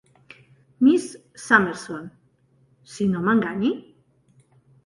Miss Summerson, si no m'enganyi?